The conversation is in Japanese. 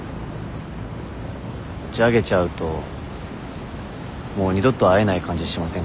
打ち上げちゃうともう二度と会えない感じしませんか？